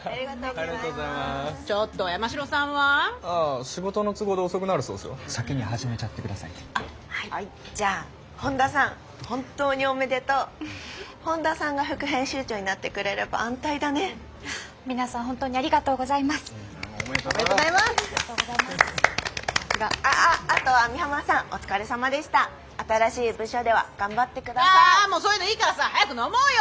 もうそういうのいいからさ早く飲もうよ！